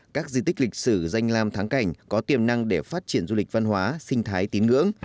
các di tích lịch sử danh làm thắng cảnh có tiềm năng để phát triển du lịch văn hóa sinh thái tín ngưỡng